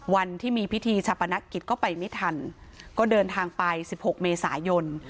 วันที่มีพิธีชาปนกิจก็ไปไม่ทันก็เดินทางไป๑๖เมษายน